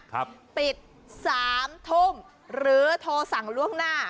ปิดสามทุ่มหรือโทรสั่งล่วงหน้า